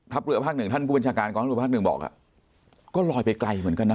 ภรรยาภาคหนึ่งท่านผู้บัญชาการก็ลอยไปไกลเหมือนกันนะ